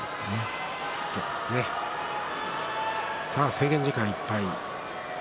制限時間いっぱいです。